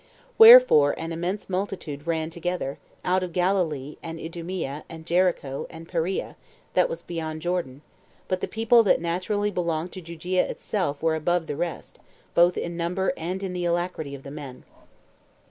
Wherefore an immense multitude ran together, out of Galilee, and Idumea, and Jericho, and Perea, that was beyond Jordan; but the people that naturally belonged to Judea itself were above the rest, both in number, and in the alacrity of the men.